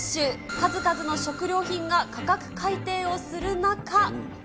数々の食料品が価格改定をする中。